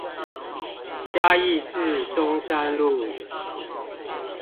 嘉義市中山路